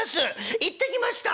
行ってきました」。